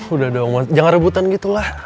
udah dong jangan rebutan gitulah